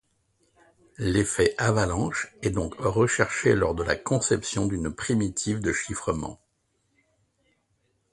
L'effet avalanche est donc recherché lors de la conception d'une primitive de chiffrement.